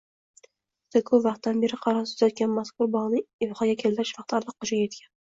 Juda koʻp vaqtdan beri qarovsiz yotgan mazkur bogʻni epaqaga keltirish vaqti allaqachon yetgan.